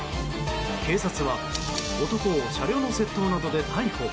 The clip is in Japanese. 警察は、男を車両の窃盗などで逮捕。